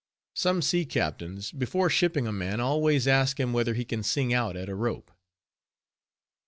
Some sea captains, before shipping a man, always ask him whether he can sing out at a rope.